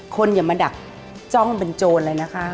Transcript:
อย่ามาดักจ้องเป็นโจรเลยนะคะ